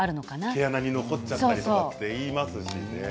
毛穴に残っちゃったりとかっていいますしね。